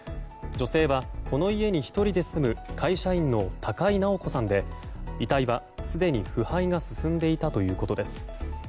女性は、この家に１人で住む会社員の高井直子さんで遺体はすでに腐敗が進んでいたということです。